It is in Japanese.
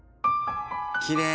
きれい。